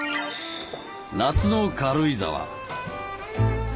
夏の軽井沢。